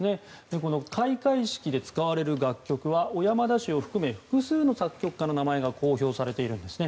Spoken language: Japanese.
この開会式で使われる楽曲は小山田氏を含め複数の作曲家の名前が公表されているんですね。